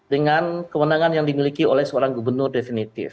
dengan kewenangan yang dimiliki oleh seorang gubernur definitif